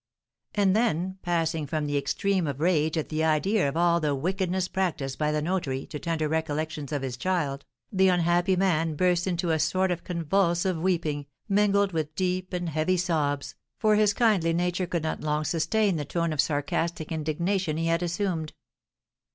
And then, passing from the extreme of rage at the idea of all the wickedness practised by the notary to tender recollections of his child, the unhappy man burst into a sort of convulsive weeping, mingled with deep and heavy sobs, for his kindly nature could not long sustain the tone of sarcastic indignation he had assumed.